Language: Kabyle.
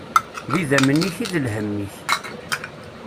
D idammen-ik, i lhemm-ik.